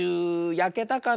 やけたかな。